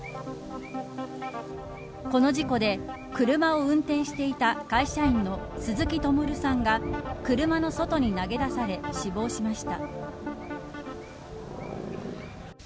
この事故で車を運転していた会社員の鈴木友瑠さんが車の外に投げ出され死亡しました。